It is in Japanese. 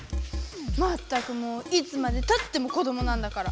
まったくもういつまでたっても子どもなんだから！